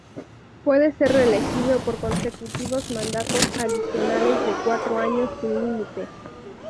Puede ser reelegido por consecutivos mandatos adicionales de cuatro años sin límite.